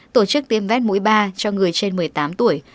tổ chức tiêm vét mũi ba cho người trên một mươi tám tuổi